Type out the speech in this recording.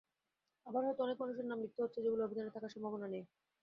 আবার হয়তো অনেক মানুষের নাম লিখতে হচ্ছে, যেগুলো অভিধানে থাকার সম্ভাবনা নেই।